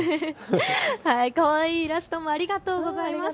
かわいいイラストもありがとうございます。